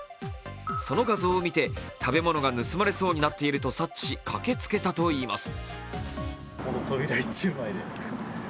その画像を見て食べ物が盗まれそうになっていると察知し駆けつけたといいます。